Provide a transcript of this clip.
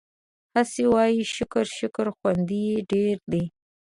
هسې وايو شکر شکر خوند يې ډېر دی